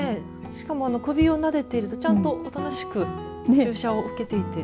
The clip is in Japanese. しかも、首をなでているとちゃんとおとなしく注射を受けていて。